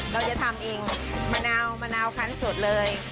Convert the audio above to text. เราจะทำเองมะนาวมะนาวคันสดเลย